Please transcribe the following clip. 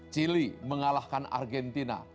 chile mengalahkan argentina